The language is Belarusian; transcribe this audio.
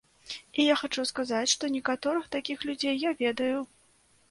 І я хачу сказаць, што некаторых такіх людзей я ведаю.